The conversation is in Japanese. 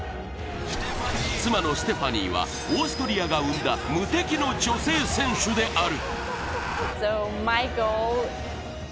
妻のステファニーはオーストリアが生んだ無敵の女性選手である。